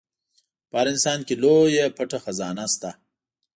په هر انسان کې لويه پټه خزانه شته.